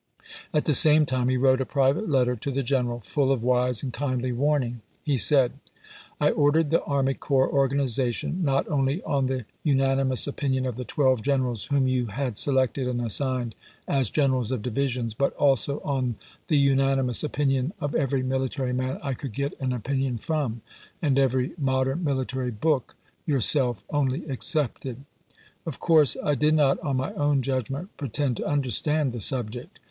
At the same time he wrote a private letter to the general, full of wise and kindly warning. He said : I ordered the army corps organization not only on the unanimous opinion of the twelve generals whom you had selected and assigned as generals of divisions, but also on the unanimous opinion of every military man I could get an opinion from, and every modern military book, your self only excepted. Of course I did not on my own judgment pretend to understand the subject.